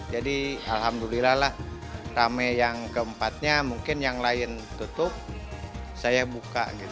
jadi alhamdulillah lah rame yang keempatnya mungkin yang lain tutup saya buka gitu